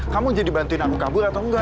kamu jadi bantuin aku kabur atau enggak